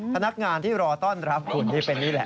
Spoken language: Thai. พนักงานที่รอต้อนรับคุณที่เป็นนี่แหละ